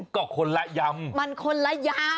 ก็คนละยำมันคนละยำ